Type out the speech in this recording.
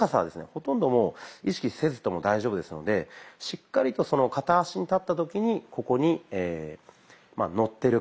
ほとんどもう意識せずとも大丈夫ですのでしっかりと片足に立った時にここにのってる感じ足を踏めてる感じ。